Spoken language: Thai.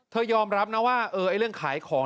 เธอยอมรับนะว่าเออไอ้เรื่องขายของ